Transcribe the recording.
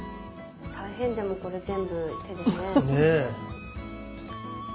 大変でもこれ全部手でね。